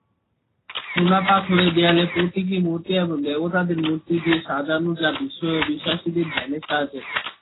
চুনাপাথরের দেয়ালে প্রতীকী মূর্তি এবং দেবতাদের মূর্তি দিয়ে সাজানো যা বিশ্বাসীদের ধ্যানে সহায়তা করে।